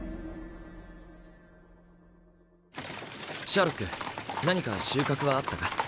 シャーロック何か収穫はあったか？